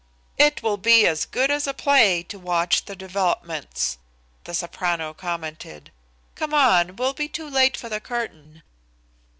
"It will be as good as a play to watch the developments," the soprano commented. "Come on, we'll be too late for the curtain."